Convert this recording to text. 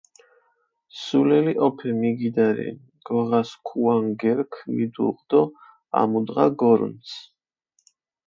სულელი ჸოფე მიგიდა რენი, გოღა სქუა ნგერქჷ მიდუღჷ დო ამუდღა გორჷნცჷ.